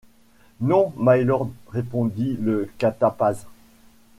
Non, mylord, répondit le catapaz.